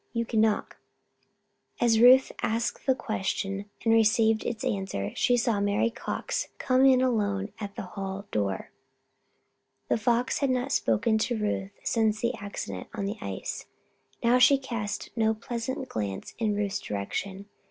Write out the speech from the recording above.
You can knock." As Ruth asked this question and received its answer she saw Mary Cox come in alone at the hall door. The Fox had not spoken to Ruth since the accident on the ice. Now she cast no pleasant glance in Ruth's direction.